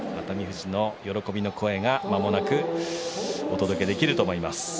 喜びの声を、まもなくお届けできると思います。